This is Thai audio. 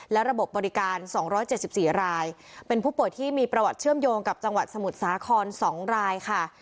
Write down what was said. และระบบบริการ๒๗๔รายเป็นผู้ป่วยที่มีประวัติเชื่อมโยงกับจังหวัดสมุทรสาคร๒รายค่ะ